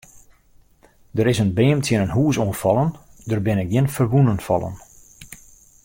Der is in beam tsjin in hús oan fallen, der binne gjin ferwûnen fallen.